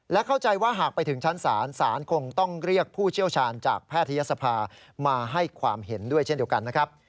และเข้าใจว่าหากไปถึงชั้นศาลศาลคงต้องเรียกผู้เชี่ยวชาญจากแพทยศภามาให้ความเห็นด้วยเช่นเดียวกันนะครับ